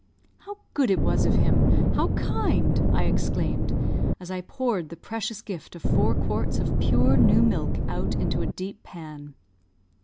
"How good it was of him! How kind!" I exclaimed, as I poured the precious gift of four quarts of pure new milk out into a deep pan.